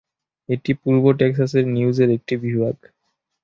এটি পূর্ব টেক্সাস নিউজের একটি বিভাগ।